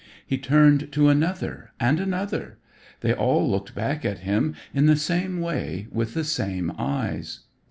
He turned to another and another. They all looked back at him in the same way with the same eyes.